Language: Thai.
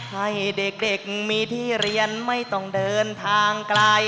ให้เด็กมีที่เรียนไม่ต้องเดินทางไกล